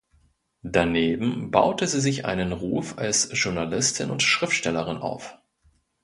Daneben baute sie sich einen Ruf als Journalistin und Schriftstellerin auf.